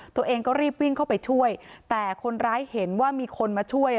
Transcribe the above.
ตัวเองก็รีบวิ่งเข้าไปช่วยแต่คนร้ายเห็นว่ามีคนมาช่วย